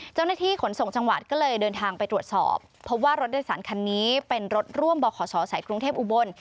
เจ้าหน้าที่ขนส่งจังหวัดก็เลยเดินทางไปตรวจสอบเพราะว่ารถโดยสารคันนี้เป็นรถร่วมบขศใส่กรุงเทพอุบล